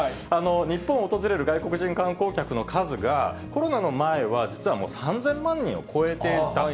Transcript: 日本を訪れる外国人観光客の数が、コロナの前は実はもう３０００万人を超えていた。